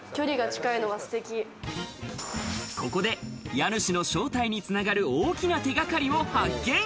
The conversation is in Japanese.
ここで家主の正体に繋がる大きな手掛かりを発見。